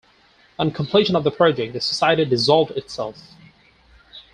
On completion of the project, the Society dissolved itself.